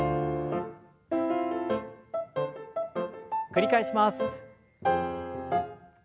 繰り返します。